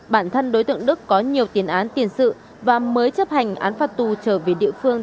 bản thân đối tượng đức có nhiều tiền án tiền sự và mới chấp hành án phạt tù trở về địa phương